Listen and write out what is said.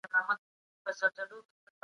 که جبر وي نو ذوق له منځه ځي.